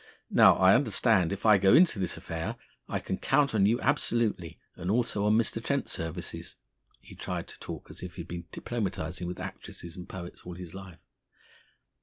Now, I understand if I go into this affair I can count on you absolutely, and also on Mr. Trent's services." He tried to talk as if he had been diplomatising with actresses and poets all his life.